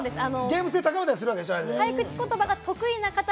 ゲーム性、高めたりするんでしょ？